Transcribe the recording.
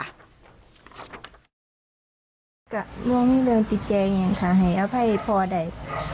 กับรวมเรื่องจิตแจงค่ะให้อภัยพ่อได้